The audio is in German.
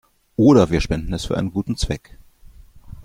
Oder wir spenden es für einen guten Zweck.